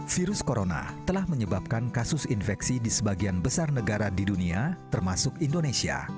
virus corona telah menyebabkan kasus infeksi di sebagian besar negara di dunia termasuk indonesia